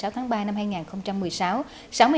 hai mươi sáu tháng ba năm hai nghìn một mươi sáu